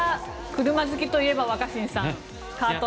車好きといえば若新さんカート